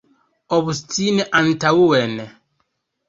Obstine antaŭen!